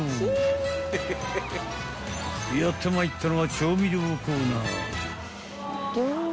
［やってまいったのは］